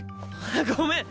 ごめん！